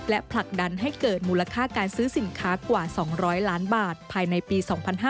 และผลักดันให้เกิดมูลค่าการซื้อสินค้ากว่า๒๐๐ล้านบาทภายในปี๒๕๕๙